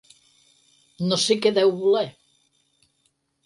No sé què deu voler.